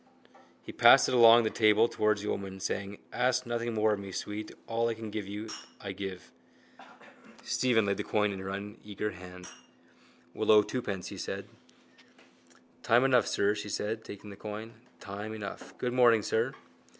He passed it along the table towards the old woman, saying: —Ask nothing more of me, sweet. All I can give you I give. Stephen laid the coin in her uneager hand. —We'll owe twopence, he said. —Time enough, sir, she said, taking the coin. Time enough. Good morning, sir.